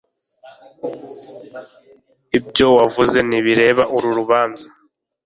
Ibyo wavuze ntibireba uru rubanza.